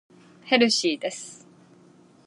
ヘルシーです。